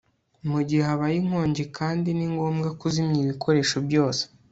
mu gihe habaye inkongi kandi ni ngombwa kuzimya ibikoresho byose